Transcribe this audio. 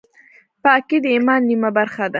پاکي د ایمان نیمه برخه ده.